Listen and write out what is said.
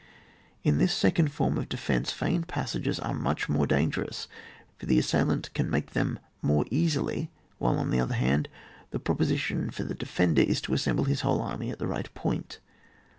In this second form of defence, feigned passages are much more dangerous, for the assailant can make them more easily, while, on the other hand, the proposition for the defender is, to assemble his whole army at the right point.